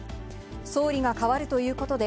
総理が代わるということで、